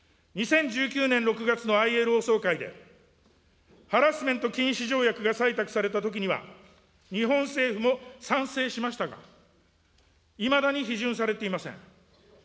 ２０１９年６月のＩＬＯ総会で、ハラスメント禁止条約が採択されたときには、日本政府も賛成しましたが、いまだに批准されていません。